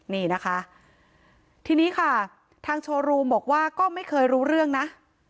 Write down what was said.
นี่นะคะทีนี้ค่ะทางโชว์รูมบอกว่าก็ไม่เคยรู้เรื่องนะ